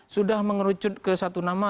sudah mengerucut ke satu nama